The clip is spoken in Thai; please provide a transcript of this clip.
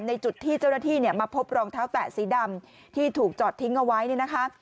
จุดที่เจ้าหน้าที่เนี่ยมาพบรองเท้าแตะสีดำที่ถูกจอดทิ้งเอาไว้เนี่ยนะคะ